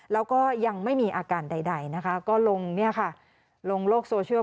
แล้วก็ยังไม่มีอาการใดนะคะก็ลงโลกโซเชียล